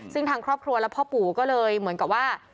ซึ่งทางครอบครัวและพ่อปู่ก็เลยเหมือนกับว่า